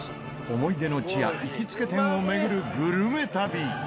思い出の地や行きつけ店を巡るグルメ旅